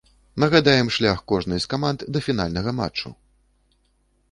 Нагадаем, шлях кожнай з каманд да фінальнага матчу.